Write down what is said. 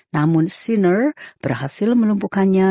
namun sinner berhasil menumpukannya